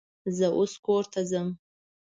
زه اوس کور ته ځم